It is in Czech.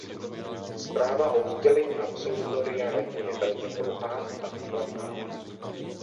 Zpráva o udělení absolutoria Radě je velmi dlouhá a důkladná.